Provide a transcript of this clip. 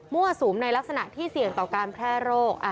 สุมในลักษณะที่เสี่ยงต่อการแพร่โรค